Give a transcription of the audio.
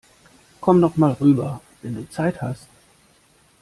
Komm doch mal rüber, wenn du Zeit hast!